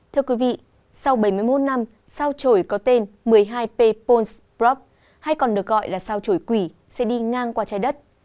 thưa quý vị sau bảy mươi một năm sao trổi có tên một mươi hai pols prop hay còn được gọi là sao chổi quỷ sẽ đi ngang qua trái đất